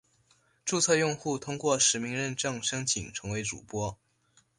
注册用户通过实名认证申请成为主播。